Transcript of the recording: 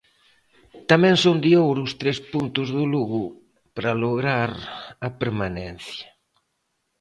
Tamén son de ouro os tres puntos do Lugo para lograr a permanencia.